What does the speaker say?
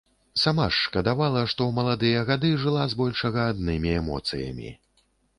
Сама ж шкадавала, што ў маладыя гады жыла збольшага аднымі эмоцыямі.